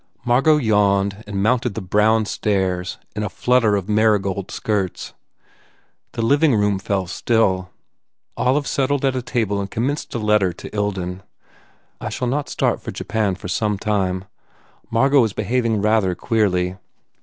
Margot yawned and mounted the brown stairs in a flutter of marigold skirts. The living room fell still. Olive settled at a table and commenced a letter to Ilden. "I shall not start for Japan for some time. Mar got is behaving rather queerly.